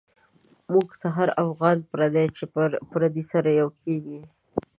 موږ ته هر افغان پردی، چی پردی سره یو کیږی